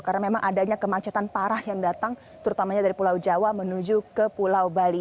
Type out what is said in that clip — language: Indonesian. karena memang adanya kemacetan parah yang datang terutamanya dari pulau jawa menuju ke pulau bali